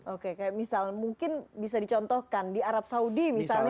oke kayak misal mungkin bisa dicontohkan di arab saudi misalnya